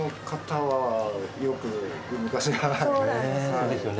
そうですね。